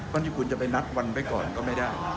วันนี้คุณจะไปนัดวันไว้ก่อนก็ไม่ได้